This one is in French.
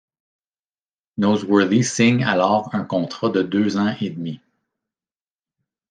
Nosworthy signe alors un contrat de deux ans et demi.